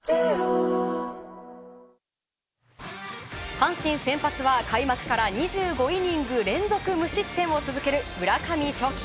阪神の先発は開幕から２５イニング連続無失点を続ける村上頌樹。